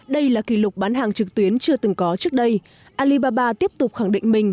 đây là kỷ lục bán hàng trực tuyến chưa từng có trước đây alibaba tiếp tục khẳng định mình